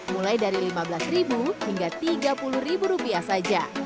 mulai dari rp lima belas hingga rp tiga puluh saja